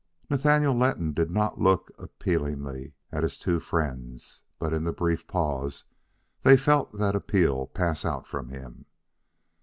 Nathaniel Letton did not look appealingly at his two friends, but in the brief pause they felt that appeal pass out from him.